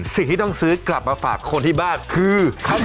สิ่งที่ต้องซื้อกลับมาฝากคนที่บ้านคือ